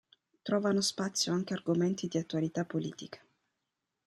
Trovano spazio anche argomenti di attualità politica.